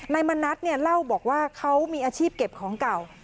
นายมณัฐเล่าบอกว่าเขามีอาชีพเก็บของเก่า